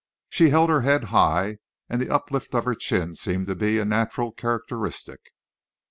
She held her head high, and the uplift of her chin seemed to be a natural characteristic.